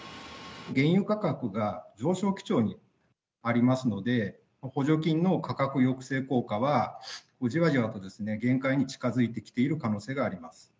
原油価格が上昇基調にありますので、補助金の価格抑制効果はじわじわと限界に近づいてきている可能性があります。